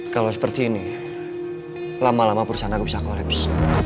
kalau seperti ini lama lama perusahaan aku bisa kolaps